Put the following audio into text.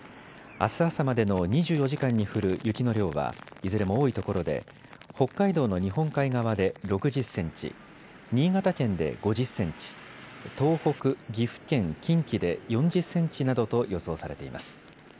あす朝までの２４時間に降る雪の量は、いずれも多いところで北海道の日本海側で６０センチ、新潟県で５０センチ、東北、岐阜県、近畿で４０センチなどと予想されています。